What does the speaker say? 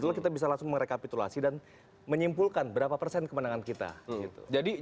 itulah kita bisa langsung merekapitulasi dan menyimpulkan berapa persen kemenangan kita